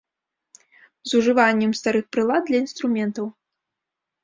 З ужываннем старых прылад для інструментаў.